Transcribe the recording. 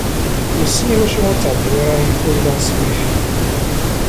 Wissen iwacu ur ttɛeddin ara ifuyla s WiFi?